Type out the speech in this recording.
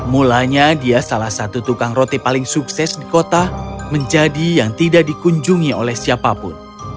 mulanya dia salah satu tukang roti paling sukses di kota menjadi yang tidak dikunjungi oleh siapapun